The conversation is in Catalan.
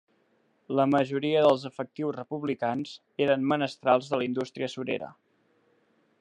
La majoria dels efectius republicans eren menestrals de la indústria surera.